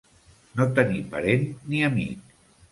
No tenir parent ni amic.